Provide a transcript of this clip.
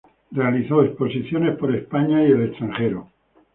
Realizó exposiciones por España y por el extranjero.